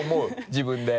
自分で。